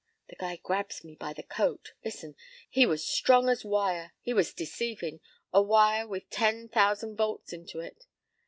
p> "The guys grabs me by the coat. Listen. He was strong as a wire. He was deceivin'. A wire with ten thousand volts into it.